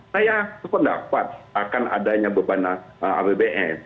saya sependapat akan adanya beban apbn